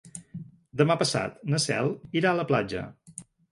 Demà passat na Cel irà a la platja.